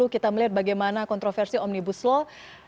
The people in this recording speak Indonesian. dua ribu dua puluh kita melihat bagaimana kontroversi omnibus law